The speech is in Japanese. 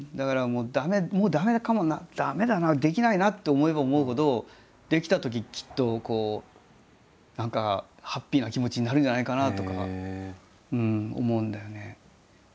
もう駄目かもな駄目だなできないなって思えば思うほどできたとききっとこう何かハッピーな気持ちになるんじゃないかなとか思うんだよね。